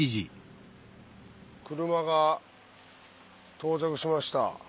車が到着しました。